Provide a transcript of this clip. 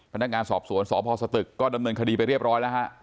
พนักงานสอบสวนสพสตึกก็ดำเนินคดีไปเรียบร้อยแล้วฮะ